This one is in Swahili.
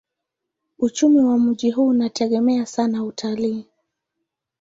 Uchumi wa mji huu unategemea sana utalii.